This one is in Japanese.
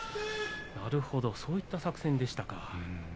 なるほど、そういった作戦でしたか。